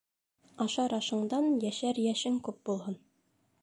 Ашар ашыңдан йәшәр йәшең күп булһын.